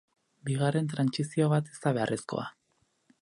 Bigarren trantsizio bat ez da beharrezkoa.